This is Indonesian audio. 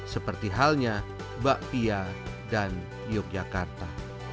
seperti halnya bapia dan yogyakarta